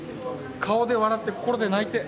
顔で笑って心で泣いて。